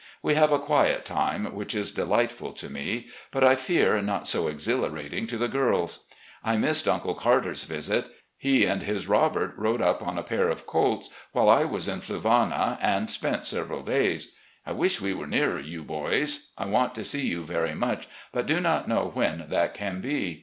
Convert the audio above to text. We have a quiet time, which is de lightful to me, but I fear not so exhilarating to the girls. I missed Uncle Carter's visit. He and his Robert rode up on a pair of colts while I was in Fluvanna, and spent several days. I wish we were nearer you boys. I want to see you very much, but do not know when that can be.